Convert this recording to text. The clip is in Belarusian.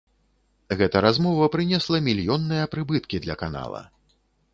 Гэта размова прынесла мільённыя прыбыткі для канала.